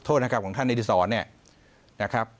โทษนะครับของท่านอิทธิศรนะครับ